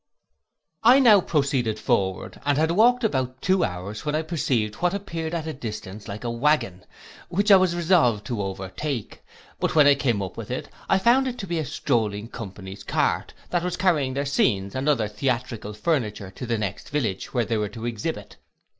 I now proceeded forward, and had walked about two hours, when I perceived what appeared at a distance like a waggon, which I was resolved to overtake; but when I came up with it, found it to be a strolling company's cart, that was carrying their scenes and other theatrical furniture to the next village, where they were to exhibit.